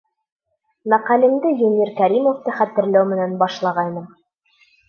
Мәҡәләмде Юнир Кәримовты хәтерләү менән башлағайным.